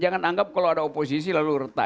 jangan anggap kalau ada oposisi lalu retak